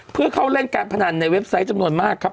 เพื่อเข้าเล่นการพนันในเว็บไซต์จำนวนมากครับ